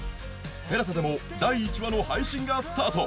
ＴＥＬＡＳＡ でも第１話の配信がスタート！